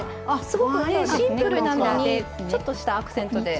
すごくシンプルなのにちょっとしたアクセントで。